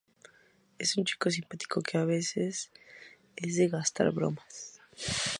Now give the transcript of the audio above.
Es un chico simpático que a veces es de gastar bromas.